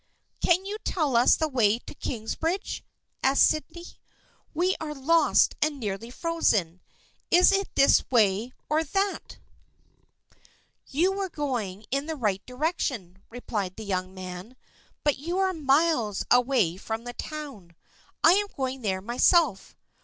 "Can you tell us the way to Kingsbridge?" asked Sydney. " We are lost and nearly frozen. Is it this way or that ?" THE FRIENDSHIP OF ANNE 125 " You were going in the right direction," replied the young man, " but you are miles away from the town. I am going there myself.